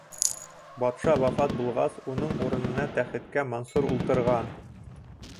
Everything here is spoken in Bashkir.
Батша вафат булғас, уның урынына тәхеткә Мансур ултырған.